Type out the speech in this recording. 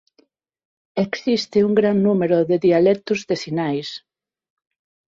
Existe un gran número de dialectos de sinais.